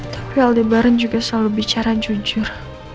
tapi aldebaran juga selalu bicara jujur